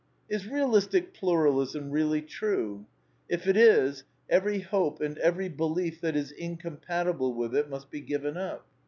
Is Realistic Pluralism really true ? If it is, every hope and ever^ belief that is incompatible with it must be given up.